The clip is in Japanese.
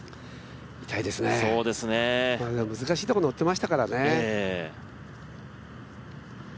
痛いですね、難しいところにのってましたからね。